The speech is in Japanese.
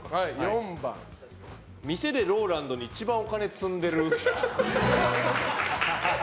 店でＲＯＬＡＮＤに一番お金積んでる人。